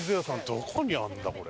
どこにあるんだこれ。